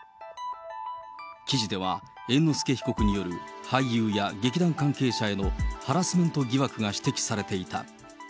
記事では、猿之助被告による俳優や劇団関係者へのハラスメント疑惑が指摘されていた。